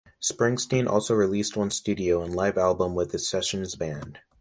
Springsteen also released one studio and live album with The Sessions Band.